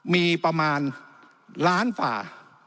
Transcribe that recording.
มีประมาณล้านฝ่า